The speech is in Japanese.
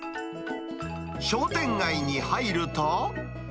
商店街に入ると。